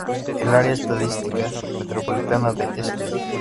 El Área Estadística Metropolitana de St.